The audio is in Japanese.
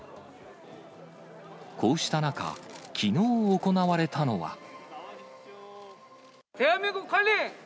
こうした中、きのう行われたのは。